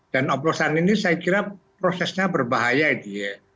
dan oplosan ini saya kira prosesnya berbahaya gitu ya